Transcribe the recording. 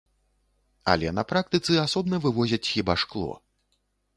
Але на практыцы асобна вывозяць хіба шкло.